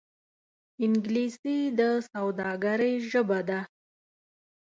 انګلیسي د سوداګرۍ ژبه ده